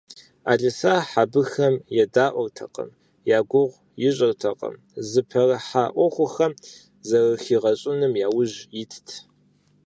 Ӏэлисахь абыхэм едаӏуэртэкъым, я гугъу ищӏыртэкъым, зыпэрыхьа ӏуэхум зэрыхигъэщӏыным яужь итт.